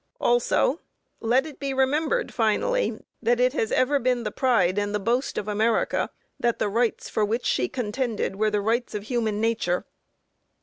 Also, "Let it be remembered, finally, that it has ever been the pride and the boast of America that the rights for which she contended were the rights of human nature."